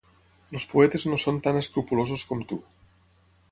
Els poetes no són tan escrupolosos com tu.